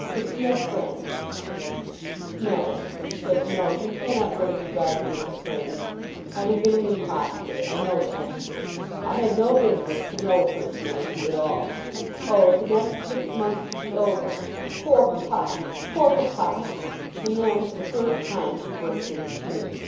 "Because we are friends." "No," she said, "no. You cannot really regard me as a friend. I have been an impostor. I know that. I had no business to know a person like you at all. Oh, if the next six months could be over! Poor papa; poor papa!" And then for the first time she burst into tears.